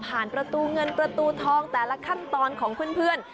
ประตูเงินประตูทองแต่ละขั้นตอนของเพื่อน